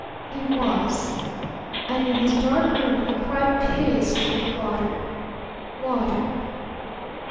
He was. And in his dark room he cried piteously for water water water!